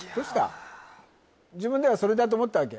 いや自分ではそれだと思ったわけ？